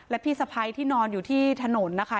และพี่สะพ้ายที่นอนอยู่ที่ถนนนะคะ